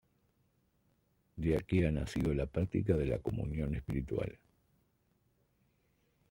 De aquí ha nacido la práctica de la comunión espiritual".